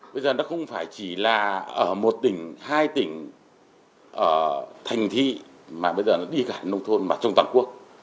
bây giờ nó không phải chỉ là ở một tỉnh hai tỉnh ở thành thị mà bây giờ nó đi cả nông thôn mà trong toàn quốc